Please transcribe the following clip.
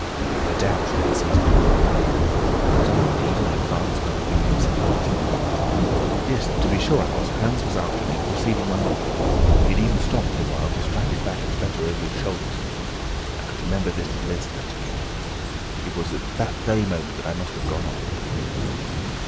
A doubt then seized upon me. Was I indeed in advance when we became separated? Yes, to be sure I was. Hans was after me, preceding my uncle. He had even stopped for a while to strap his baggage better over his shoulders. I could remember this little incident. It was at that very moment that I must have gone on.